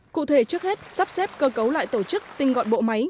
cụ thể trước hết sắp xếp cơ cấu lại tổ chức tinh gọn bộ máy